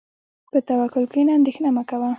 په توکل کښېنه، اندېښنه مه کوه.